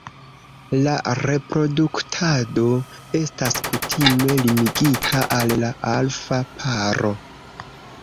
La reproduktado estas kutime limigita al la alfa paro.